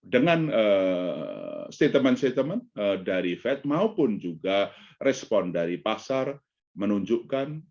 dengan statement statement dari fed maupun juga respon dari pasar menunjukkan